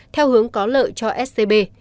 theo hướng có lợi cho scb